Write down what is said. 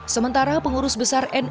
sementara pengurus besar lsi deni ja